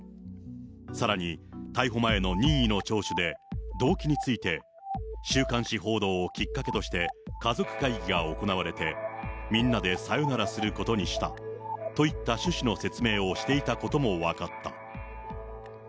さらに逮捕前の任意の聴取で、動機について、週刊誌報道をきっかけとして、家族会議が行われて、みんなでさよならすることにしたといった趣旨の説明をしていたことも分かった。